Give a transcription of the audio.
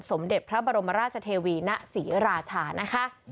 สมเด็จพระบรมราชเทวีณศรีราชานะคะ